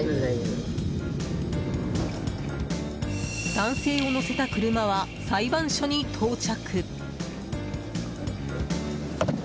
男性を乗せた車は裁判所に到着。